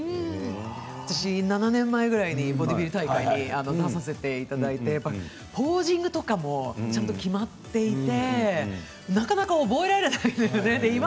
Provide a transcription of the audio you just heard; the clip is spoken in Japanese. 私７年前ぐらいにボディビル大会に出させていただいてポージングとかもちゃんと決まっていてなかなか覚えられないんですよね。